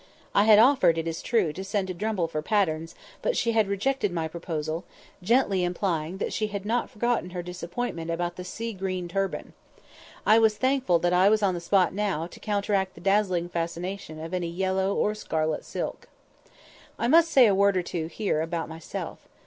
I had offered, it is true, to send to Drumble for patterns, but she had rejected my proposal, gently implying that she had not forgotten her disappointment about the sea green turban. I was thankful that I was on the spot now, to counteract the dazzling fascination of any yellow or scarlet silk. I must say a word or two here about myself.